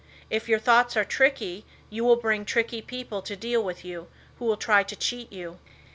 If your thoughts are tricky, you will bring tricky people to deal with you, who will try to cheat you.